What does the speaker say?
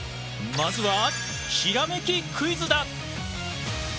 まずはひらめきクイズだ！